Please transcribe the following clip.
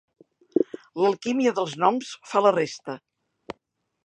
L'alquímia dels noms fa la resta.